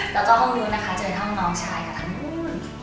แล้วก็ห้องนู้นนะคะเจอห้องน้องชายกับทางนู้น